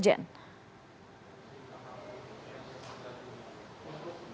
apakah ini sudah diketahui sebelumnya oleh intelijen